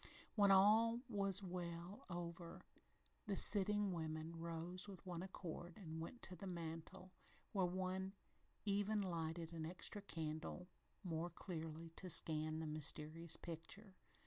When all was well over, the sitting women rose with one accord and went to the mantel, where one even lighted an extra candle more clearly to scan the mysterious picture.